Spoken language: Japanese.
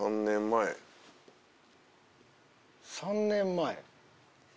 ３年前？